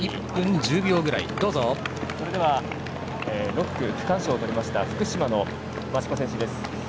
放送席６区区間賞をとりました福岡の増子選手です。